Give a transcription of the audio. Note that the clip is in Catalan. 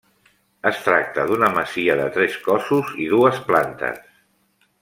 Es tracta d'una masia de tres cossos i dues plantes.